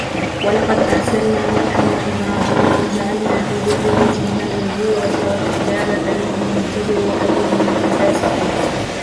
وَلَقَدْ أَرْسَلْنَا نُوحًا وَإِبْرَاهِيمَ وَجَعَلْنَا فِي ذُرِّيَّتِهِمَا النُّبُوَّةَ وَالْكِتَابَ فَمِنْهُمْ مُهْتَدٍ وَكَثِيرٌ مِنْهُمْ فَاسِقُونَ